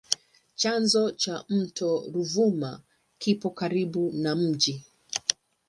Chanzo cha mto Ruvuma kipo karibu na mji.